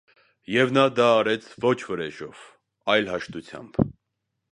Եվ նա դա արեց ոչ վրեժով, այլ հաշտությամբ։